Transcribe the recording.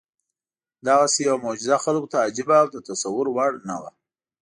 دغسې یوه معجزه خلکو ته عجیبه او د تصور وړ نه وه.